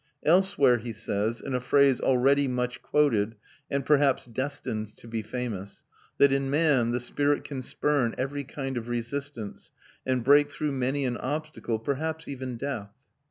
Elsewhere he says, in a phrase already much quoted and perhaps destined to be famous, that in man the spirit can "spurn every kind of resistance and break through many an obstacle, perhaps even death."